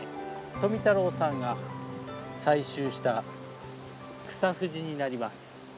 富太郎さんが採集したクサフジになります。